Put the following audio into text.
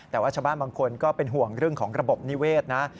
แต่ว่าชาวบ้านบางคนก็เป็นห่วงเรื่องของระบบนิเวศนะ